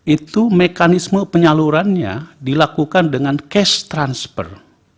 itu mekanisme penyalurannya dilakukan dengan cash transfer